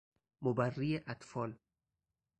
مبری اطفال